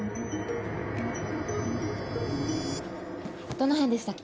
どの辺でしたっけ？